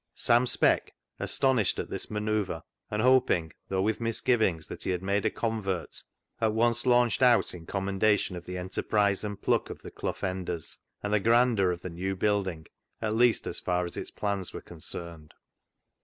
Sam Speck, astonished at this manoeuvre, and hoping, though with misgivings, that he had made a convert, at once launched out in commendation of the enterprise and pluck of the Clough Enders, and the grandeur of their new building, at least as far as its plans were concerned.